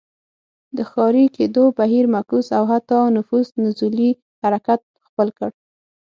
د ښاري کېدو بهیر معکوس او حتی نفوس نزولي حرکت خپل کړ.